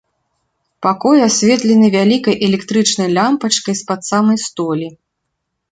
Пакой асветлены вялікай электрычнай лямпачкай з-пад самай столі.